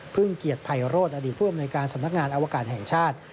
เกียรติภัยโรธอดีตผู้อำนวยการสำนักงานอวกาศแห่งชาติ